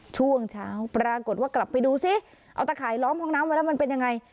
ช่วงเช้าปรากฏว่ากลับไปดูซิเอาตะข่ายล้อมห้องน้ำไว้แล้วมันเป็นยังไง